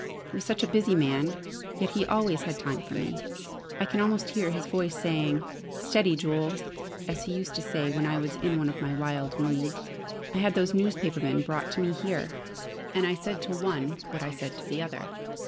He was such a busy man, yet always he had time for me! I can almost hear his voice saying, 'Steady, Jule!' as he used to say when I was in one of my wild moods. I had those newspapermen brought to me here. And I said to one what I said to the other.